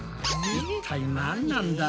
一体なんなんだ？